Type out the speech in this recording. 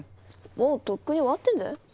もうとっくに終わってんぜ。